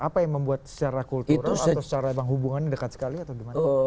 apa yang membuat secara kultural atau secara bang hubungannya dekat sekali atau gimana